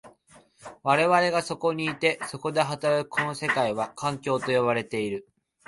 我々がそこにいて、そこで働くこの世界は、環境と呼ばれている。